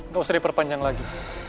gak usah diperpanjang lagi